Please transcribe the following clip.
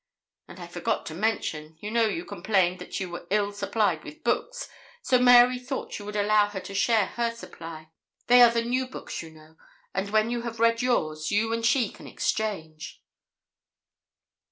And I forgot to mention you know you complained that you were ill supplied with books, so Mary thought you would allow her to share her supply they are the new books, you know and when you have read yours, you and she can exchange.'